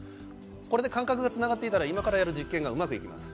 これで感覚がつながっていたら今からやる実権がうまくいきます